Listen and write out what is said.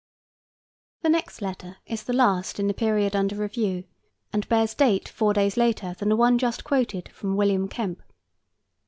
The next letter is the last in the period under review, and bears date four days later than the one just quoted from William Kempe.